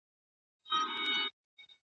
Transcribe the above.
چي پښتانه په جبر نه، خو په رضا سمېږي .